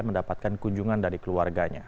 mendapatkan kunjungan dari keluarganya